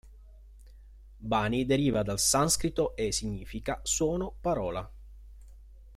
Bani deriva dal sanscrito e significa: "suono, parola".